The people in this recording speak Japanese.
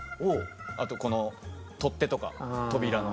あとこの取っ手とか扉の。